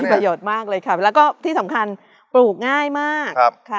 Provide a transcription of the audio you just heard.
ประโยชน์มากเลยค่ะแล้วก็ที่สำคัญปลูกง่ายมากค่ะ